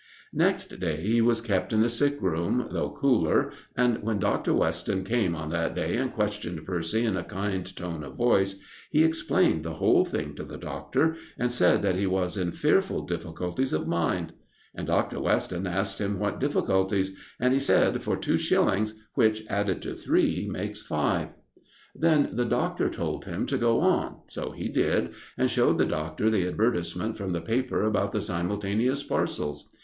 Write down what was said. Next day he was kept in the sick room, though cooler, and when Dr. Weston came on that day and questioned Percy in a kind tone of voice, he explained the whole thing to the doctor, and said that he was in fearful difficulties of mind. And Dr. Weston asked him what difficulties, and he said for two shillings, which, added to three, make five. Then the doctor told him to go on, so he did, and showed the doctor the advertisement from the paper about the simultaneous parcels.